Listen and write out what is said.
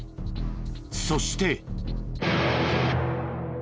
そして。